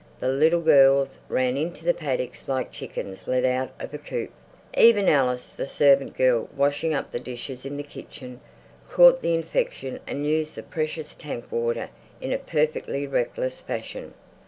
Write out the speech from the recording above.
The little girls ran into the paddock like chickens let out of a coop. Even Alice, the servant girl, washing up the dishes in the kitchen, caught the infection and used the precious tank water in a perfectly reckless fashion.